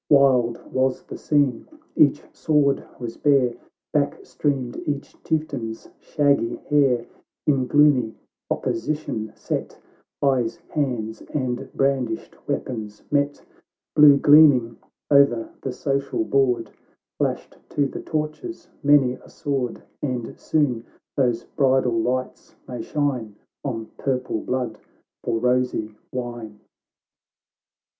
AVild was the scene — each sword was bare, Back streamed each chieftain's shaggy hair, In gloomy opposition set, Eyes, hands, and brandished weapons met ; Blue gleaming o'er the social board, Flashed to the torches many a sword; And soon those bridal lights may shine On purple blood for rosy wine.